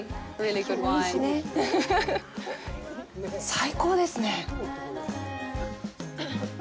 最高ですね。